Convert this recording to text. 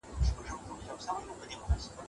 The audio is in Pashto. له لارښود پرته د څېړني ترسره کول ګران کار دی.